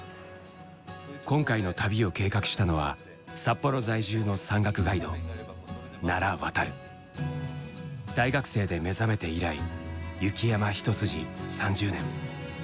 今回の旅を計画したのは札幌在住の山岳ガイド大学生で目覚めて以来雪山一筋３０年。